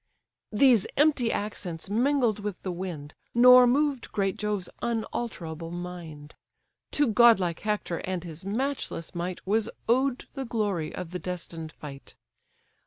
These empty accents mingled with the wind, Nor moved great Jove's unalterable mind; To godlike Hector and his matchless might Was owed the glory of the destined fight.